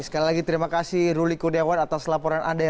sekali lagi terima kasih ruliku dewan atas laporan anda